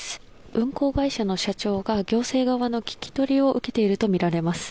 運航会社の社長が行政側の聞き取りを受けているとみられます。